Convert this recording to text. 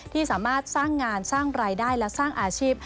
ที่สามารถสร้างงานสร้างรายได้และสร้างอาชีพ